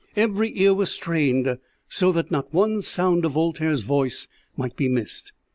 Every ear was strained, so that not one sound of Voltaire's voice might be missed.